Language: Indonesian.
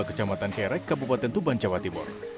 kecamatan kerek kabupaten tuban jawa timur